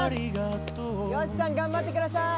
善しさん頑張ってください！